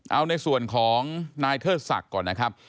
เอาในส่วนของนายเทิดศักดิ์ก่อนนะครับ